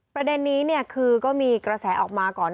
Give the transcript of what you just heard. ประเด็นนี้คือก็มีกระแสออกมาก่อน